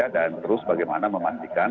dan terus bagaimana memastikan